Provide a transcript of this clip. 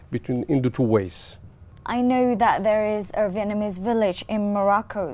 và bác sĩ của tôi đã gặp bác sĩ và bác sĩ của bạn và họ đã phát triển tình trạng này để phát triển tình trạng này